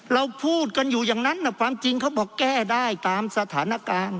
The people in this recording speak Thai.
เราพูดกันอยู่อย่างนั้นความจริงเขาบอกแก้ได้ตามสถานการณ์